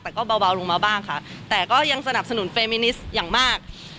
แต่ก็เบาลงมาบ้างค่ะแต่ก็ยังสนับสนุนเฟรมินิสอย่างมาก